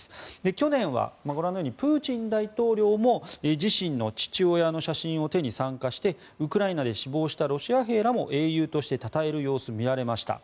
去年はご覧のようにプーチン大統領も自身の父親の写真を手に参加してウクライナで死亡したロシア兵らも英雄としてたたえる様子も見られました。